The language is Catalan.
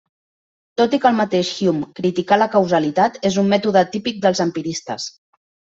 Tot i que el mateix Hume criticà la causalitat, és un mètode típic dels empiristes.